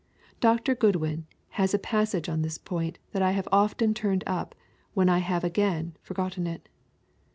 Dr. Goodwin has a passage on this point that I have often turned up when I had again forgotten it.